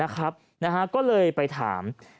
ก็เลยไปถาม